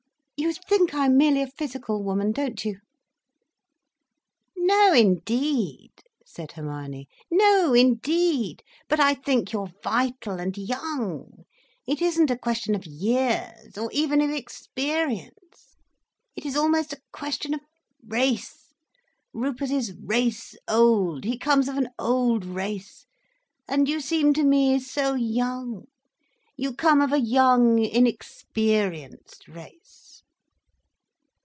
"You think I'm merely a physical woman, don't you?" "No indeed," said Hermione. "No, indeed! But I think you are vital and young—it isn't a question of years, or even of experience—it is almost a question of race. Rupert is race old, he comes of an old race—and you seem to me so young, you come of a young, inexperienced race."